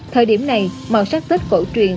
thời điểm này màu sắc tết cổ truyền